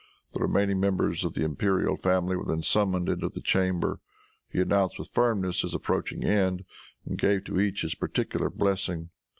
The remaining members of the imperial family were then summoned into the chamber. He announced with firmness his approaching end, and gave to each his particular blessing.